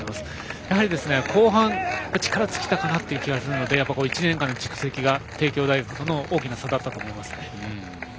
やはり、後半は力尽きたかなという気がするので１年間の蓄積が帝京大学との大きな差だったと思います。